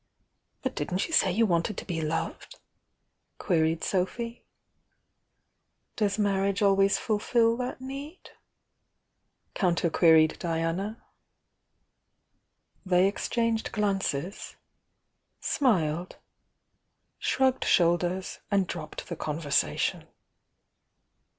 "But didn't you say you wanted to be loved?" queried Sophy. "Does marriage always fulfil that need?" counter queried Diana. They exchanged glances— smiled— shrugged shoul ders and dropped the conversation.